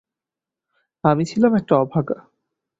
আমি ছিলাম একটা অভাগা।